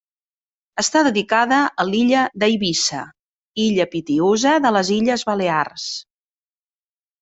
Està dedicada a l'illa d'Eivissa, illa pitiüsa de les Illes Balears.